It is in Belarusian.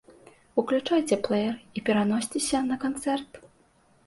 Уключайце плэер і пераносьцеся на канцэрт.